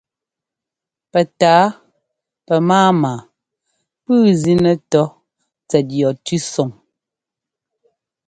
Pɛtǎa pɛmáama pʉ́ʉ zínɛ́ tɔ́ tsɛt yɔ tʉ́sɔŋ.